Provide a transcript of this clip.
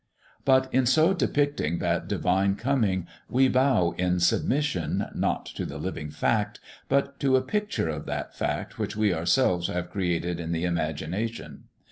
But in so depicting that divine coming we bow in submission, not to the living fact, but to a picture of that fact which we ourselves have created in the imagination.